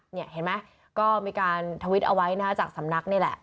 เห็นไหมก็มีการทวิตเอาไว้นะฮะจากสำนักนี่แหละ